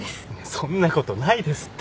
そんなことないですって。